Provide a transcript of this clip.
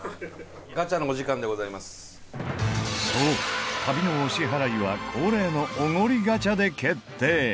そう旅のお支払いは恒例のオゴリガチャで決定！